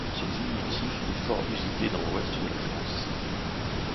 Ce diminutif est fort usité dans l’ouest de la France.